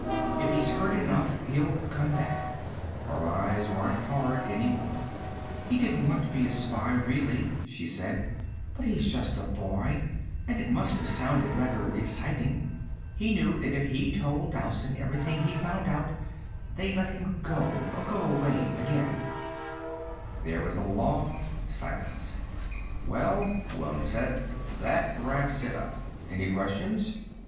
If he's hurt enough, he'll come back." Her eyes weren't hard any more. "He didn't want to be a spy, really," she said, "but he's just a boy, and it must have sounded rather exciting. He knew that if he told Dowson everything he'd found out, they'd let him go go away again." There was a long silence. "Well," Malone said, "that about wraps it up. Any questions?"